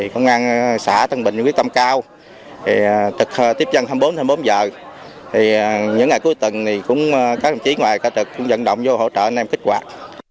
công an xã lân bình quyết tâm cao thực tiếp dân hai mươi bốn h những ngày cuối tuần các đồng chí ngoài cả thực cũng dẫn động vô hỗ trợ để kích hoạt